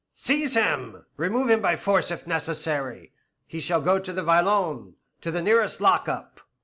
"Seize him, remove him by force if necessary. He shall go to the violon to the nearest lock up."